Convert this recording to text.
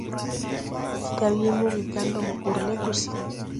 Ndi da wii moge gá ndɔ mo urlɛ gusi.